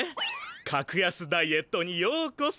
格安ダイエットにようこそ。